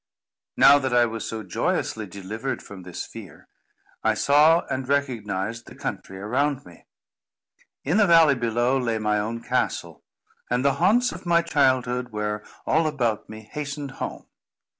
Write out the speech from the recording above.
Now that I was so joyously delivered from this fear, I saw and recognised the country around me. In the valley below, lay my own castle, and the haunts of my childhood were all about me hastened home.